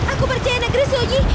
aku percaya negeri sunyi